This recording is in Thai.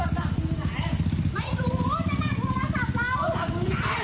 เอากลับมา